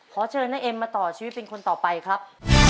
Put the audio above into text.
ขอเชิญน้าเอ็มมาต่อชีวิตเป็นคนต่อไปครับ